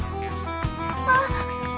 あっ。